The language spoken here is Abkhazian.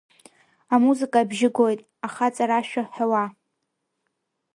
Амузыка абжьы гоит, ахаҵарашәа ҳәауа.